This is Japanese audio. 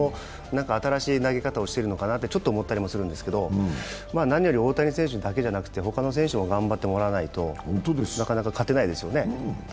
新しい投げ方をしてるのかなとちょっと思ったりするんですけど何より大谷選手だけでなく、他の選手も頑張ってもらわないとなかなか勝てないですよね。